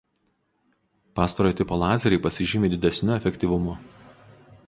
Pastarojo tipo lazeriai pasižymi didesniu efektyvumu.